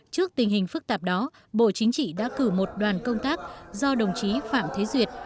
trước tình hình phức tạp đó bộ chính trị đã cử một đoàn công tác do đồng chí phạm thế duyệt